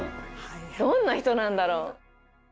どんな人なんだろう？